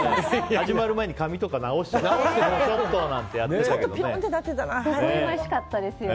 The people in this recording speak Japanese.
始まる前に髪とか直してちょっとなんてやってたけど。